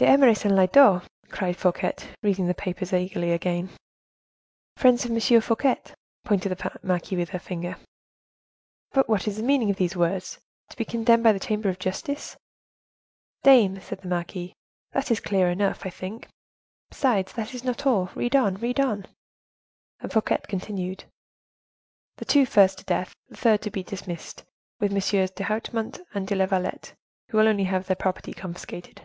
"D'Eymeris and Lyodot!" cried Fouquet, reading the paper eagerly again. "Friends of M. F.," pointed the marquise with her finger. "But what is the meaning of these words: 'To be condemned by the Chamber of Justice'?" "Dame!" said the marquise, "that is clear enough, I think. Besides, that is not all. Read on, read on;" and Fouquet continued,—"The two first to death, the third to be dismissed, with MM. d'Hautemont and de la Vallette, who will only have their property confiscated."